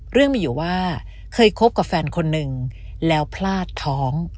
เรื่องมีอยู่ว่าเคยคบกับแฟนคนหนึ่งแล้วพลาดท้อง